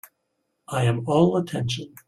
I am all attention.